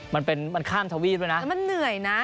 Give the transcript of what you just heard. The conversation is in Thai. มันเป็นมันข้ามทวีดด้วยนะ